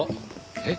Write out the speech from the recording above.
えっ？